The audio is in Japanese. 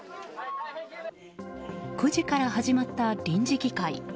９時から始まった臨時議会。